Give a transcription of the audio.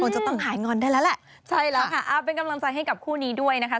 ใช่แล้วค่ะเป็นกำลังใจให้กับคู่นี้ด้วยนะคะ